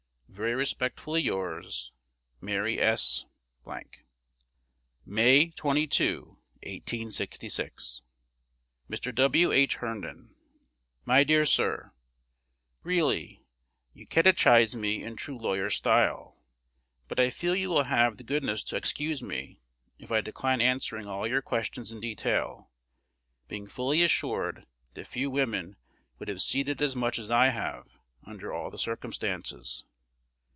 Very respectfully yours, Mary S. ., May 22,1866. Mr. W. H. Herndon. My dear Sir, Really you catechise me in true lawyer style; but I feel you will have the goodness to excuse me if I decline answering all your questions in detail, being well assured that few women would have ceded as much as I have under all the circumstances.